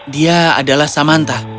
dia adalah samantha